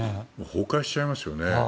崩壊しちゃいますよね。